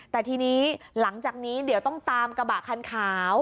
แต่ทีนี้หลังจากนี้เดี๋ยวต้องตามกระบะคันขาว